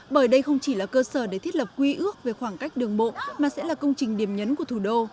bởi đây không chỉ là cơ sở để thiết lập quy ước về khoảng cách đường bộ mà sẽ là công trình điểm nhấn của thủ đô